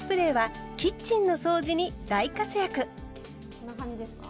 こんな感じですか？